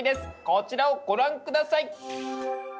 こちらをご覧下さい！